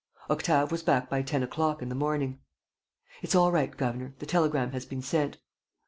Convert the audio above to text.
Octave was back by ten o'clock in the morning: "It's all right, governor. The telegram has been sent."